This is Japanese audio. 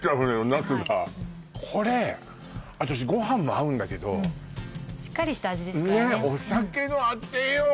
ナスがこれ私ご飯も合うんだけどしっかりした味ですからね